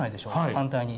反対に。